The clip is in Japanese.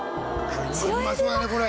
「うまそうだねこれ」